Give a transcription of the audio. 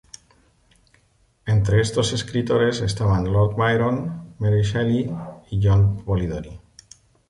Entre estos escritores estaban Lord Byron, Mary Shelley y John Polidori.